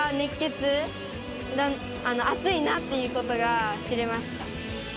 つあついなっていうことが知れました。